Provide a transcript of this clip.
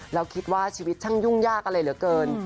แล้วคิดว่าชีวิตช่างยุ่งยากอะไรเหลือเกิน